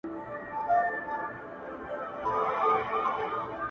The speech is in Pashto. چي څوک دی